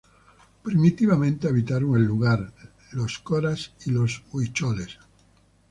Primitivamente habitaron el lugar los coras y los huicholes.